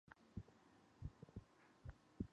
He separated the space into four rooms.